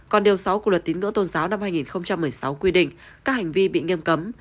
còn điều sáu của luật tín ngưỡng tôn giáo năm hai nghìn một mươi sáu quy định các hành vi bị nghiêm cấm